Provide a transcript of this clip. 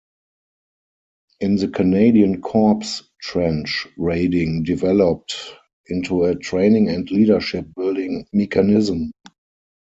In the Canadian Corps trench raiding developed into a training and leadership-building mechanism.